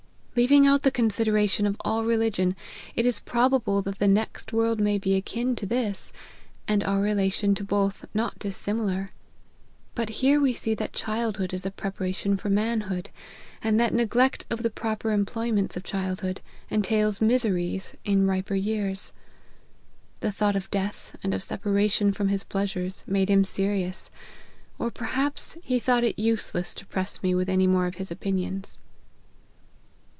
Leaving out the consideration of all religion, it is probable that the next world may be akin to this, and our relation to both not dissimilar. But nere we see that childhood is a preparation for 156 LIFE OF HENRY MARTYN. manhood, and that neglect of the proper employ ments of childhood entails miseries in riper years. 5 The thought of death, and of separation from his pleasures, made him serious ; or perhaps he thought it useless to press me with any more of his opinions."